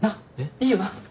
いいよな？